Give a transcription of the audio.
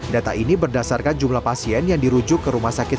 data ini berdasarkan jumlah pasien yang dirujuk ke rumah sakit